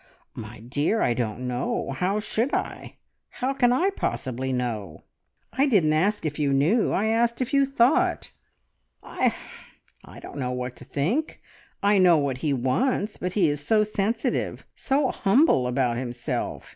"My dear, I don't know! How should I? How can I possibly know?" "I didn't ask you if you knew. I asked if you thought." "I don't know what to think. ... I know what he wants! But he is so sensitive, so humble about himself.